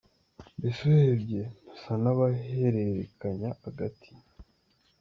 Mbese urebye dusa n’abahererekanya agati.